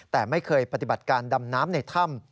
แต่ไม่เคยปฏิบัติการดำน้ำในถ้ำ